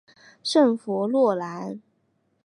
圣弗洛兰。